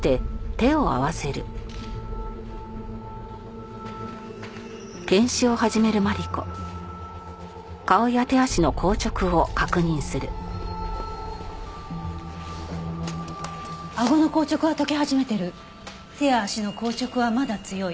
手や足の硬直はまだ強い。